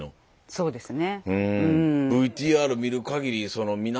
そうですね。